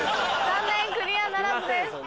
残念クリアならずです。